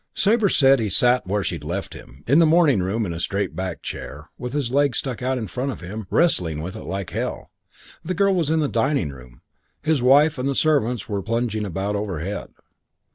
"Sabre said he sat where she'd left him, in the morning room in a straight backed chair, with his legs stuck out in front of him, wrestling with it like hell. The girl was in the dining room. His wife and the servants were plunging about overhead.